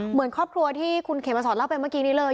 เหมือนครอบครัวที่คุณเขมสอนเล่าไปเมื่อกี้นี้เลย